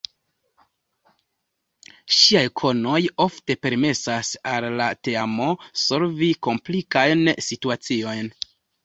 Ŝiaj konoj ofte permesas al la teamo solvi komplikajn situaciojn.